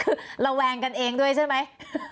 คือระแวงกันเองด้วยใช่ไหม